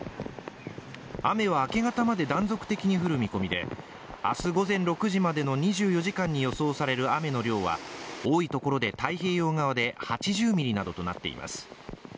雨は明け方まで断続的に降る見込みで、明日午前６時までの２４時間に予想される雨の量は多いところで太平洋側で８０ミリなどとなっています。